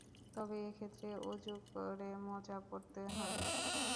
তবে এ ক্ষেত্রে অজু করে মোজা পরতে হবে।